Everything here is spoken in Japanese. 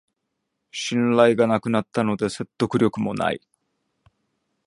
信頼がなくなったので説得力もない